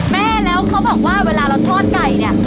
แม่แล้วเขาบอกว่าเวลาเราทอดไก่เนี่ย